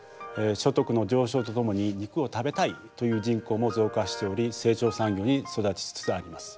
所得の上昇とともに肉を食べたいという人口も増加しており成長産業に育ちつつあります。